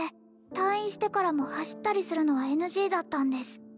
退院してからも走ったりするのは ＮＧ だったんです